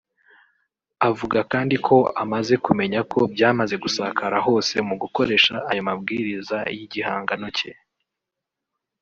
Avuga kandi ko amaze kumenya ko byamaze gusakara hose mu gukoresha ayo mabwiriza y’igihangano cye